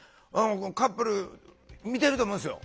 カップル見てると思うんですよ。